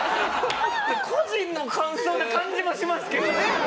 個人の感想な感じもしますけどね。